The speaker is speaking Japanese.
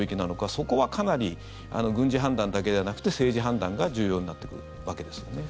そこはかなり軍事判断だけじゃなくて政治判断が重要になってくるわけですよね。